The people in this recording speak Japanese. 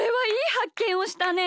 はっけんをしたね。